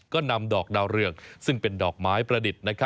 ก็นำดอกดาวเรืองซึ่งเป็นดอกไม้ประดิษฐ์